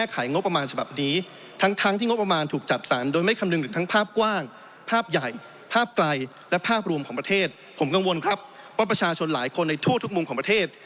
ผมกังวลครับว่าประชาชนหลายคนในทั่วทุกมุมของประเทศ